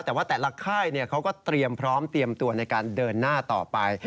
แต่ว่าแต่ละค่ายเขาก็เตรียมพร้อมเตรียมตัวในการเดินหน้าต่อไป